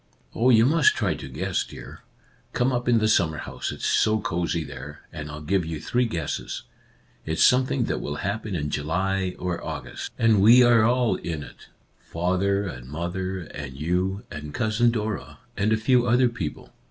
"Oh, you must try to guess, dear! Come up in the summer house ; it's so cosy there, and I'll give you three guesses. It's some thing that will happen in July or August, and we are all in it, father and mother and you and Cousin Dora, and a few other people."